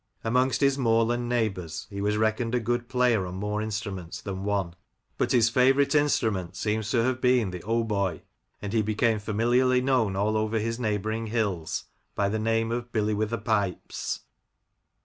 ... Amongst his moorland neighbours he was reckoned a good player on more instruments than one ; but his favourite instrument seems to have been the hautboy, and he became familiarly known all over his neigh bouring hills by the name of * Billy wi*th* Pipes.'